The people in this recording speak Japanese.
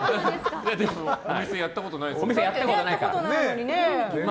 お店やったことないんですよね。